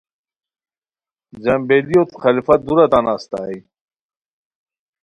جم بیلیوت خلیفہ دُورہ تان استائے